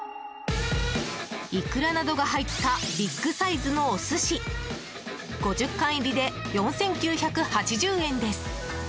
イクラなどが入ったビッグサイズのお寿司５０貫入りで４９８０円です。